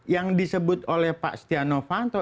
yang disebut oleh pak setia novanto